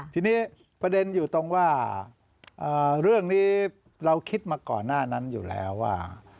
ทีนี้ประเด็นอยู่ตรงว่าเรื่องนี้เราคิดมาก่อนหน้านั้นอยู่แล้วว่า